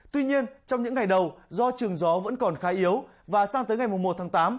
tuy nhiên trong những ngày đầu do trường gió vẫn còn khá yếu và sang tới ngày một tháng tám